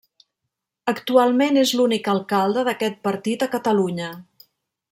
Actualment és l'únic alcalde d'aquest partit a Catalunya.